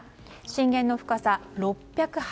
震源の深さ、６８２ｋｍ。